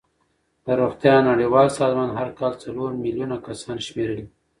د روغتیا نړیوال سازمان هر کال څلور میلیون کسان شمېرلې.